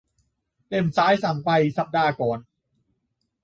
เล่มซ้ายสั่งไปสัปดาห์ก่อน